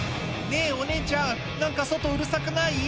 「ねぇお姉ちゃん何か外うるさくない？」